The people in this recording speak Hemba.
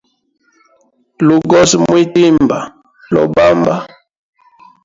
Lugozi mwitimba lobamba.